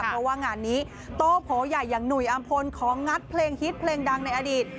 เพราะว่างานนี้โตโผใหญ่อย่างหนุ่ยอำพลของงัดเพลงฮิตเพลงดังในอดีต